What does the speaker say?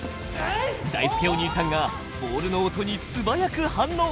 だいすけお兄さんがボールの音に、素早く反応。